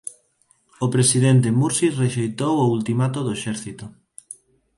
O presidente Mursi rexeitou o ultimato do exército.